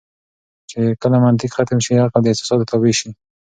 چې کله منطق ختم شي عقل د احساساتو تابع شي.